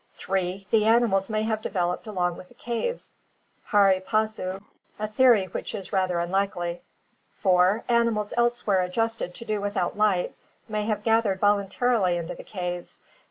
(3) The animals may have developed along with the caves, pari passu, a theory which is rather unlikely. (4) Animals elsewhere adjusted to do without light may have gathered voluntarily into the caves.